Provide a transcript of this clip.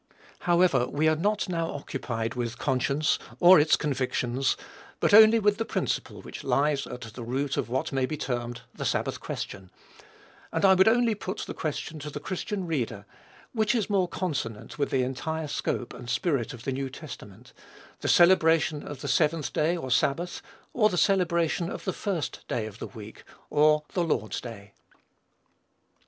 However, we are not now occupied with conscience or its convictions, but only with the principle which lies at the root of what may be termed the sabbath question; and I would only put the question to the Christian reader, which is more consonant with the entire scope and spirit of the New Testament, the celebration of the seventh day or sabbath, or the celebration of the first day of the week or the Lord's day?